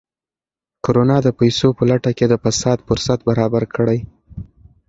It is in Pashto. کرونا د پیسو په لټه کې د فساد فرصت برابر کړی.